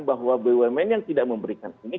bahwa bumn yang tidak memberikan ini